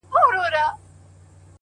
هر وختي ته نـــژدې كـيــږي دا؛